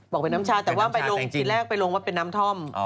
บอกเป็นน้ำชาแต่ว่าไปลงทีแรกไปลงว่าเป็นน้ำท่อม